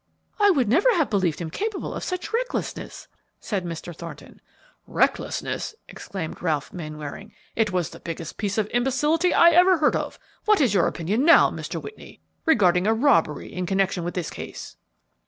"I would never have believed him capable of such recklessness," said Mr. Thornton. "Recklessness!" exclaimed Ralph Mainwaring; "it was the biggest piece of imbecility I ever heard of! What is your opinion now, Mr. Whitney, regarding a robbery in connection with this case?"